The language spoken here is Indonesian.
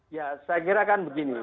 ya saya kira kan begini